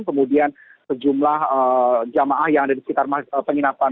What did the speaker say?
kemudian sejumlah jamaah yang ada di sekitar penginapan